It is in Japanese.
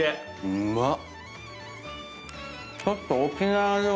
うまっ！